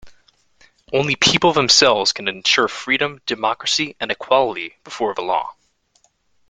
Only people themselves can ensure freedom, democracy and equality before the law.